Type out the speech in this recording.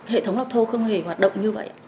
hệ thống lọc thô không hề hoạt động như vậy